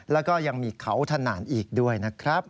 แล้วก็ยังมีเขาถนานอีกด้วยนะครับ